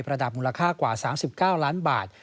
ระดับมูลค่ากว่า๓๙ล้านบาท